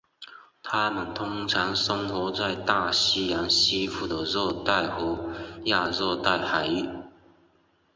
它们通常生活在大西洋西部的热带和亚热带海域。